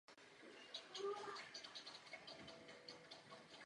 Zkomponoval také hudbu pro mnoho krátkých a dokumentárních filmů.